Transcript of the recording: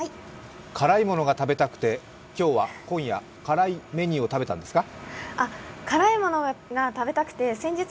辛いものが食べたくて今夜は辛いメニューを食べたんですか？